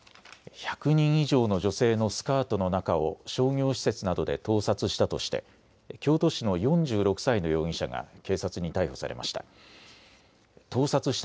１００人以上の女性のスカートの中を商業施設などで盗撮したとして京都市の４６歳の容疑者が警察に逮捕されました。